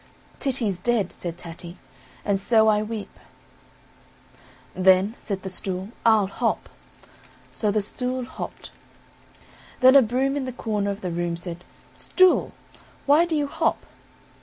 "Titty's dead," said Tatty, "and so I weep;" "then," said the stool, "I'll hop," so the stool hopped. Then a broom in the corner of the room said, "Stool, why do you hop?"